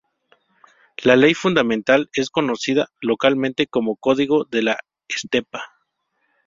La Ley Fundamental es conocida localmente como Código de la Estepa.